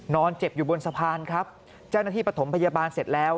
เจ็บอยู่บนสะพานครับเจ้าหน้าที่ปฐมพยาบาลเสร็จแล้ว